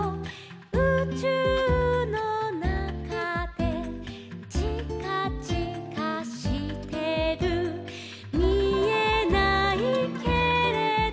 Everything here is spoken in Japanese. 「うちゅうのなかで」「ちかちかしてる」「みえないけれど」